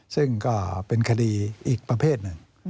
ซึ่งก็เป็นคดีอีกประเภทหนึ่ง